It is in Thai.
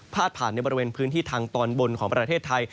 ผ่านในบริเวณพื้นที่ทางตอนบนของประเทศไทย